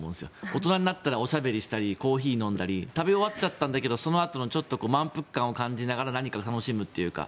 大人になったらおしゃべりしたりコーヒーを飲んだり食べ終わっちゃったんだけどそのあとの満腹感を感じながら何かを楽しむというか。